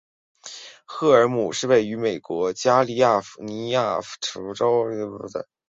赫尔姆是位于美国加利福尼亚州弗雷斯诺县的一个非建制地区。